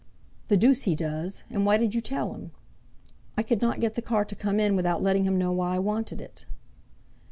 "The deuce he does! and why did you tell him?" "I could not get the car to come in without letting him know why I wanted it."